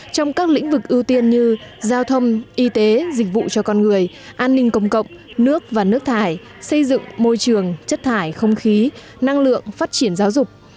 trong các lĩnh vực ưu tiên như giao thông y tế dịch vụ cho con người an ninh công cộng nước và nước thải xây dựng môi trường chất thải không khí năng lượng phát triển giáo dục